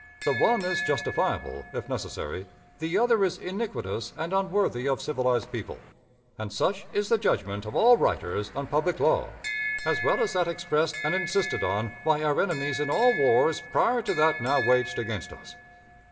The one is justifiable, if necessary, the other is iniquitous and unworthy of civilized people; and such is the judgment of all writers on public law, as well as that expressed and insisted on by our enemies in all wars prior to that now waged against us.